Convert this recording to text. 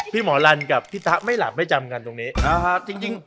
หมอลันกับพี่ตะไม่หลับไม่จำกันตรงนี้